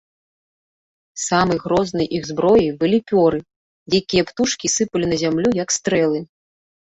Самай грознай іх зброяй былі пёры, якія птушкі сыпалі на зямлю як стрэлы.